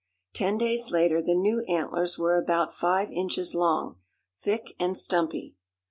Ten days later the new antlers were about five inches long, thick and stumpy.